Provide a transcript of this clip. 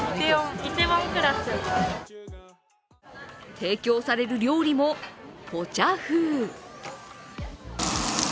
提供される料理もポチャ風。